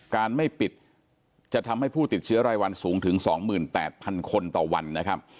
การไม่ปิดจะทำให้ผู้ติดเชื้อรายวันสูงถึง๒๘๐๐๐คนต่อวันนะครับ